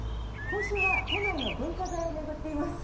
今週は都内の文化財を巡っています。